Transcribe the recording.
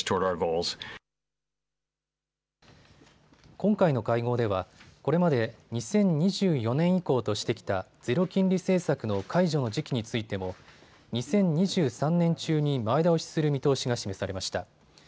今回の会合では、これまで２０２４年以降としてきたゼロ金利政策の解除の時期についても２０２３年中に前倒しする見通しが示されました。